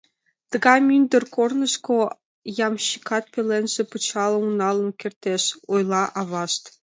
— Тыгай мӱндыр корнышко ямщикат пеленже пычалым налын кертеш, — ойла авашт.